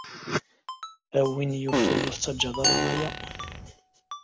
A win yufan, ur tettged ara aya.